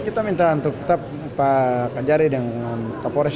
kita minta untuk tetap pak kanjari dan pak polres